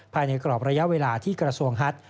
ภายในกรอบระยะเวลาที่กระทรวงฮัตร